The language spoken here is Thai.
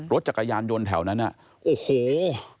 รถจักรยานยนต์แถวนั้นน่ะโอ้โห